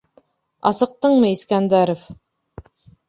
Асыҡтыңмы, Искәндәров?